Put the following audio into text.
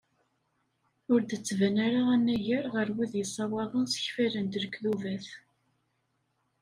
Ur d-tettban ara anagar ɣer wid yessawaḍen ssekfalen-d lekdubat.